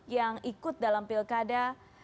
yang ikut dalam pilkada